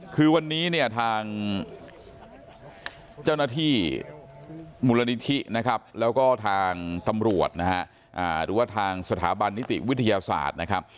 คือวันนี้ทางเจ้าหน้าที่มูลณิธิแล้วก็ทางตำรวจหรือว่าทางสถาบันนิติวิทยาศาสตร์